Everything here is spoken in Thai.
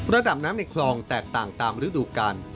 ระดับน้ำในคลองแตกต่างตามฤดูกาล